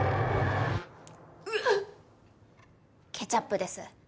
ケチャップです。